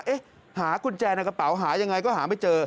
หากุญแจในกระเป๋าหายังไงก็หาไม่เจอ